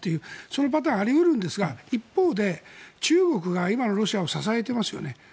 そのパターンはあり得るんですが一方で中国が今のロシアを支えてますよね。